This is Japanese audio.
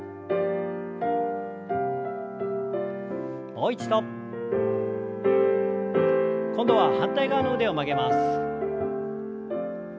もう一度。今度は反対側の腕を曲げます。